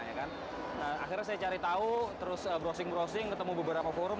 akhirnya saya cari tahu terus browsing browsing ketemu beberapa forum